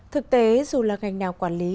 thực tế dù là ngành nào quản lý